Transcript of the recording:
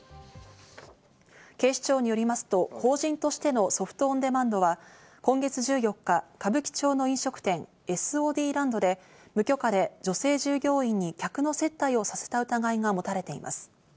警視庁によりますと、法人としてのソフト・オン・デマンドは今月１４日、歌舞伎町の飲食店「ＳＯＤＬＡＮＤ」で無許可で女性従業員に客の接待をさせた疑いが持たれています。